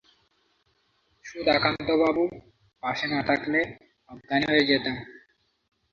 সুধাকান্তবাবু পাশে না থাকলে অজ্ঞানই হয়ে যেতাম।